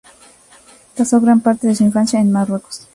Pasó gran parte de su infancia en Marruecos.